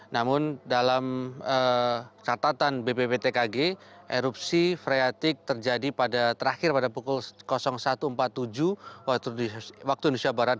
namun dalam catatan bpptkg erupsi freatik terjadi terakhir pada pukul satu empat puluh tujuh waktu indonesia barat